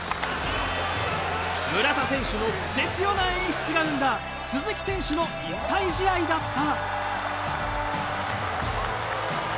村田選手のクセ強な演出が生んだ鈴木選手の引退試合だった。